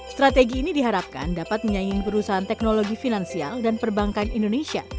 strategi ini diharapkan dapat menyaingi perusahaan teknologi finansial dan perbankan indonesia